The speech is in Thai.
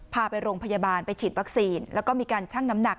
พาไปโรงพยาบาลไปฉีดวัคซีนแล้วก็มีการชั่งน้ำหนัก